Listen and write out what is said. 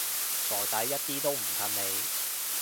傻仔，一啲都唔襯你